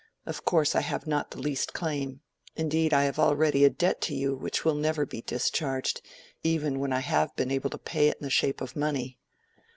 Of course I have not the least claim—indeed, I have already a debt to you which will never be discharged, even when I have been able to pay it in the shape of money."